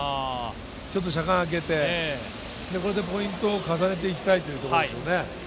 車間あけて、これでポイントを重ねていきたいというところでしょうね。